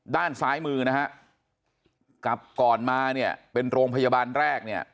ด้านซ้ายมือกับก่อนมาเป็นโรงพยาบาลแรก